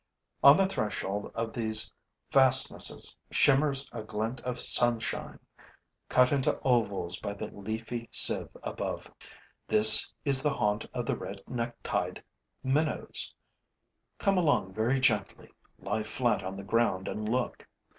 On the threshold of these fastnesses shimmers a glint of sunshine, cut into ovals by the leafy sieve above. This is the haunt of the red necktied minnows. Come along very gently, lie flat on the ground and look.